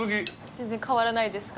全然変わらないですか？